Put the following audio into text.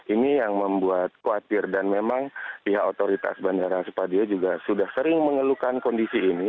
ini yang membuat khawatir dan memang pihak otoritas bandara supadio juga sudah sering mengeluhkan kondisi ini